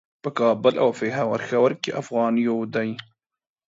په کابل او پیښور کې افغان یو دی.